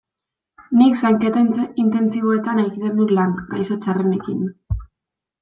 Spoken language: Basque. Nik Zainketa Intentsiboetan egiten dut lan, gaixo txarrenekin.